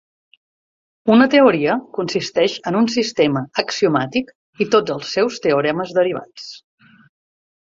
Una teoria consisteix en un sistema axiomàtic i tots els seus teoremes derivats.